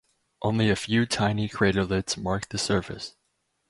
Only a few tiny craterlets mark the surface.